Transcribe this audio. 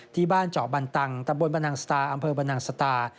ที่บ้านเจาะบันตังตำบลบันนังสตาอำเภอบรรนังสตา